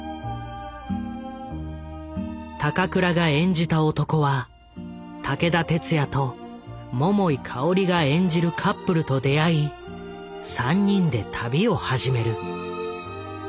高倉が演じた男は武田鉄矢と桃井かおりが演じるカップルと出会い３人で旅を始める。